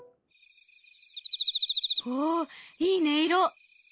おいい音色。